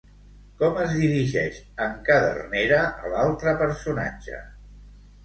Com es dirigeix en Cadernera a l'altre personatge?